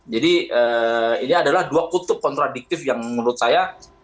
jadi ini adalah dua kutub kontradiktif yang menurut saya